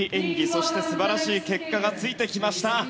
そして、素晴らしい結果がついてきました。